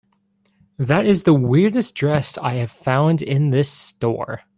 That is the weirdest dress I have found in this store.